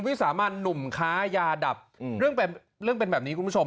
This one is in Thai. วิสามารถหนุ่มค้ายาดับอืมเรื่องเป็นเรื่องเป็นแบบนี้คุณผู้ชม